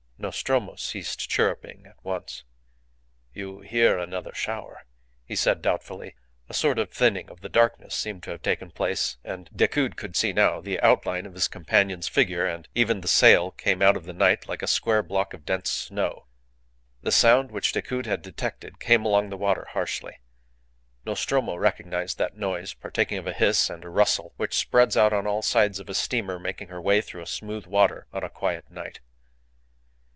Nostromo ceased chirruping at once. "You hear another shower?" he said, doubtfully. A sort of thinning of the darkness seemed to have taken place, and Decoud could see now the outline of his companion's figure, and even the sail came out of the night like a square block of dense snow. The sound which Decoud had detected came along the water harshly. Nostromo recognized that noise partaking of a hiss and a rustle which spreads out on all sides of a steamer making her way through a smooth water on a quiet night.